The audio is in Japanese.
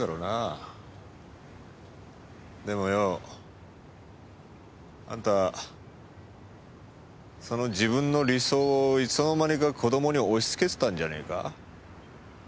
でもよあんたその自分の理想をいつの間にか子供に押し付けてたんじゃねえか？